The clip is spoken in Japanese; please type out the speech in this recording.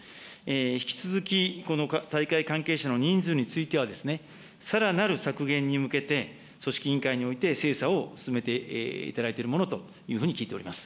引き続き、この大会関係者の人数については、さらなる削減に向けて組織委員会において精査を進めていただいているものというふうに聞いております。